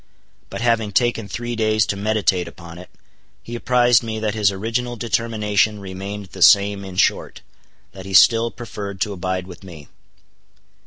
But having taken three days to meditate upon it, he apprised me that his original determination remained the same; in short, that he still preferred to abide with me.